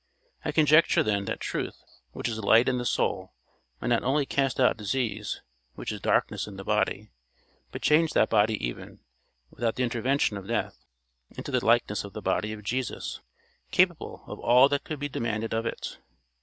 I conjecture then, that truth, which is light in the soul, might not only cast out disease, which is darkness in the body, but change that body even, without the intervention of death, into the likeness of the body of Jesus, capable of all that could be demanded of it.